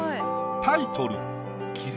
タイトル。